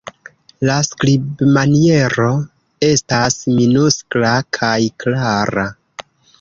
La skribmaniero estas minuskla kaj klara.